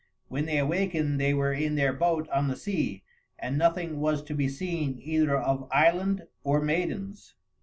When they awakened they were in their boat on the sea, and nothing was to be seen either of island or maidens.